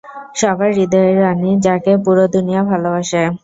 সবার হৃদয়ের রানী, যাকে পুরো দুনিয়া ভালোবাসে।